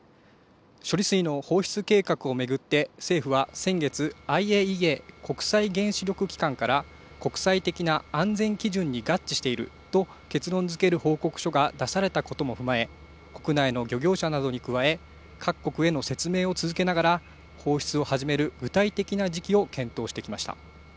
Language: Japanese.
処理水の放出計画を巡って政府は先月、ＩＡＥＡ・国際原子力機関から国際的な安全基準に合致していると結論づける報告書が出されたことも踏まえ国内の漁業者などに加え各国への説明を続けながら放出を始める具体的な時期を検討してきました。